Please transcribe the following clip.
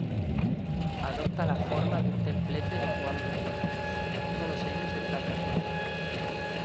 Adopta la forma de un templete de cuatro cuerpos, todos ellos de planta cuadrada.